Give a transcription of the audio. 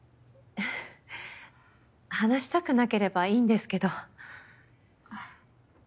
話したくなければいいんですけど。